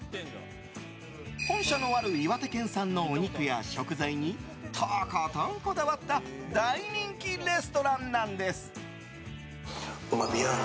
本社のある岩手県産のお肉や食材にとことんこだわった大人気レストランなんです。